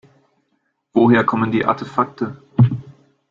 Woher kommen die Artefakte?